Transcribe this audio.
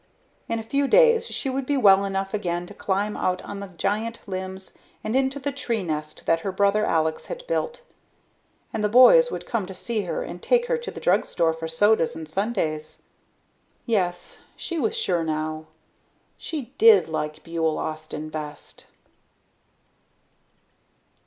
In a few days she would be well enough again to climb out on the giant limbs and into the tree nest that her brother, Alex, had built. And the boys would come to see her and take her to the drugstore for sodas and sundaes. Yes, she was sure now. She did like Buhl Austin best....